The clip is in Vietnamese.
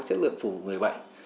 chất lượng phù người bệnh